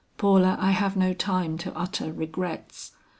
"Paula, I have no time to utter regrets.